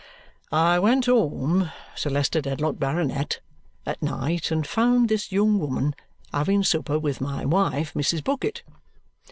"I went home, Sir Leicester Dedlock, Baronet, at night and found this young woman having supper with my wife, Mrs. Bucket.